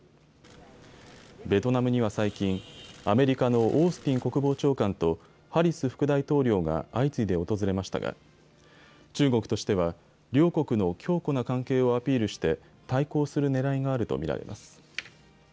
ベトナムには最近、アメリカのオースティン国防長官とハリス副大統領が相次いで訪れましたが中国としては両国の強固な関係をアピールして対抗するねらいがあると見られます。